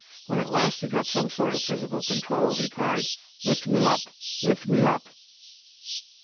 When at last he got some sort of physical control he cried: "Lift me up! Lift me up!"